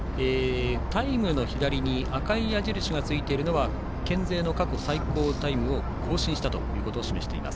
タイムの左に赤い矢印がついているのは県勢の過去最高タイムを更新したことを示しています。